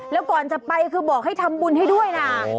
แล้วก่อนจะไปคือบอกให้ทำบุญให้ด้วยนะ